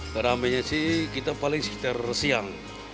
dan aminnya sih kita paling sekitar siang